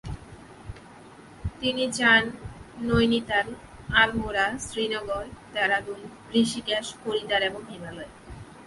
তিনি যান নৈনিতাল, আলমোড়া, শ্রীনগর, দেরাদুন, ঋষিকেশ, হরিদ্বার এবং হিমালয়ে।